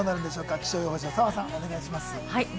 気象予報士の澤さん、お願いします。